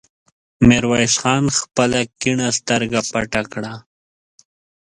ميرويس خان خپله کيڼه سترګه پټه کړه.